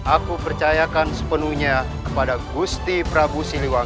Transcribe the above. aku percayakan sepenuhnya kepada agusti prabu